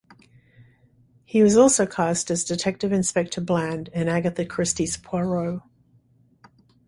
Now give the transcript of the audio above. He was also cast as Detective Inspector Bland in Agatha Christie's Poirot.